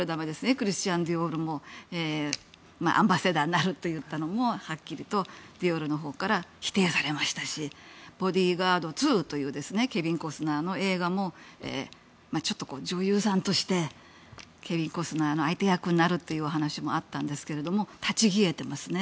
クリスチャン・ディオールもアンバサダーになるといったのもはっきりとディオールのほうから否定されましたし「ボディーガード２」というケビン・コスナーの映画もちょっと女優さんとしてケビン・コスナーの相手役になるという話もあったんですが立ち消えていますね。